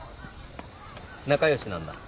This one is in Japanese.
仲良しなんだ。